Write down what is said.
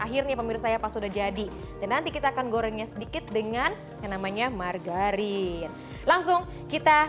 bisa memilih perinekaan a turmoil saya bisa ambih hati untuk cara men perder inocent